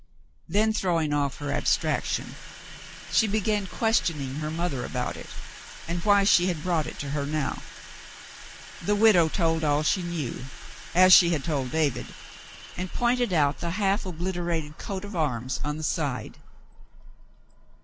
Then, throwing off her abstrac tion, she began questioning her mother about it, and why she had brought it to her now. The widow told all she knew, as she had told David, and pointed out the half obliterated coat of arms on the side.